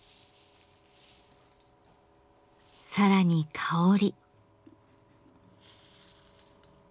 更に香り。